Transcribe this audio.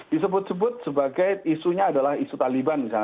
disebut sebut sebagai isunya adalah isu taliban misalnya